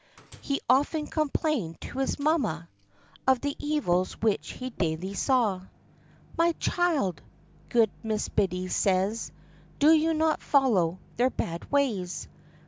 He often complained to his mamma Of the evils which he daily saw. "My child," good Mrs. Biddy says, "Do you not follow their bad ways.